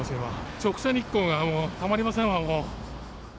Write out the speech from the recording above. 直射日光がたまりませんわ、もう。